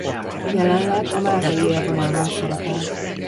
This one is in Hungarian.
Jelenleg a máltai élvonalban szerepel.